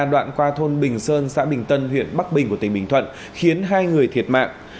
đoạn qua thôn bình sơn xã bình tân huyện bắc bình của tỉnh bình thuận khiến hai người thiệt mạng